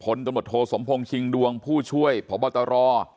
ตำรวจโทสมพงษ์ชิงดวงผู้ช่วยพบตร